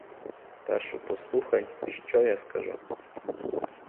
Спершу послухай, що я скажу!